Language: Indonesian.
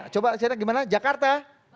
coba gimana jakarta